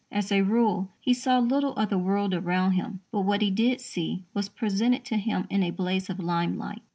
As a rule, he saw little of the world around him, but what he did see was presented to him in a blaze of limelight.